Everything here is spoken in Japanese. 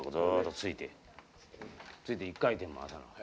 ついて一回転回さな。